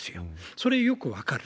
それ、よく分かる。